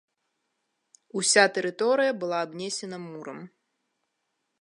Уся тэрыторыя была абнесена мурам.